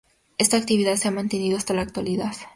Esta actividad se ha mantenido hasta la actualidad.